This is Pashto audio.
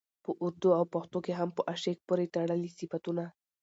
په اردو او پښتو کې هم په عاشق پورې تړلي صفتونه